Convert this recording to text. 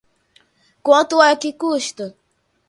Quanto é que custa?